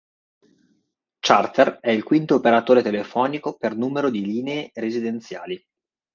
Charter è il quinto operatore telefonico per numero di linee residenziali.